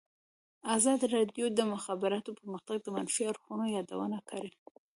ازادي راډیو د د مخابراتو پرمختګ د منفي اړخونو یادونه کړې.